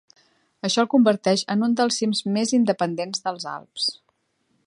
Això el converteix en un dels cims més independents dels Alps.